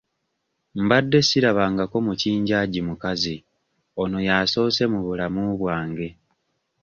Mbadde sirabangako mukinjaagi mukazi ono y'asoose mu bulamu bwange.